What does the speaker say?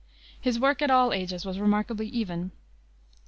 His work at all ages was remarkably even.